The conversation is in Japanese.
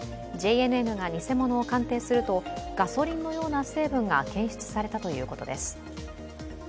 ＪＮＮが偽物を鑑定するとガソリンのような成分が検出されたということです。